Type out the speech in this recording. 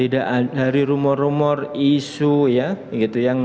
dari rumor rumor isu ya gitu